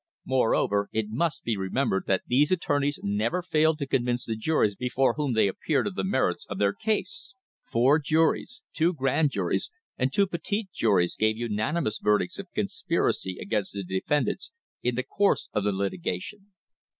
Moreover, it must be remembered that these attorneys never failed to con vince the juries before whom they appeared of the merits of their case. Four juries, two grand juries and two petit juries gave unanimous verdicts of conspiracy against the defendants in the course of the litigation.